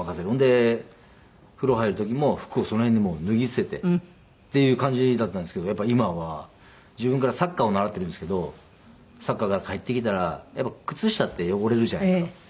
ほんで風呂入る時も服をその辺にもう脱ぎ捨ててっていう感じだったんですけどやっぱ今は自分からサッカーを習ってるんですけどサッカーから帰ってきたら靴下って汚れるじゃないですか。